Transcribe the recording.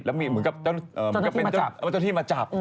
แล้วเหมือนกับเป็นเจ้าที่มาจับ